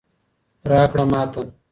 راکړه ماته